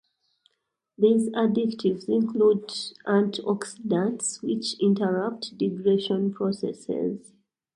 These additives include antioxidants, which interrupt degradation processes.